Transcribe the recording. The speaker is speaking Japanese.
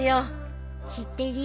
知ってるよ。